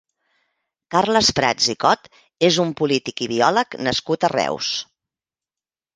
Carles Prats i Cot és un polític i biòleg nascut a Reus.